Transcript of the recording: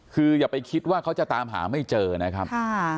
คืออย่าไปคิดว่าเขาจะตามหาไม่เจอนะครับ